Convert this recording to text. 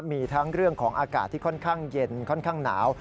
มีทั้งเรื่องของอากาศที่ค่อนข้างเย็นค่อนข้างหนาว